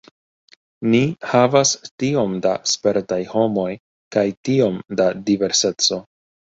Ni havas tiom da spertaj homoj kaj tiom da diverseco.